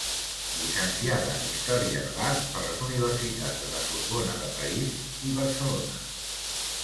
Llicenciada en Història de l'Art per les Universitats de la Sorbona de París i Barcelona.